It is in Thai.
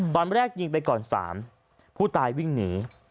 ตอนแรกยิงไปก่อน๓ผู้ตายวิ่งหนี